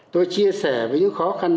tôi chia sẻ với những khó khăn